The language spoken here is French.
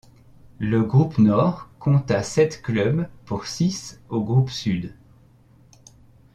Le groupe Nord compta sept clubs pour six au groupe Sud.